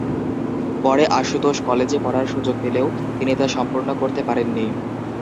পরে আশুতোষ কলেজে পড়ার সুযোগ পেলেও তিনি তা সম্পূর্ণ করতে পারেননি।